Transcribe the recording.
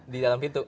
di dalam pintu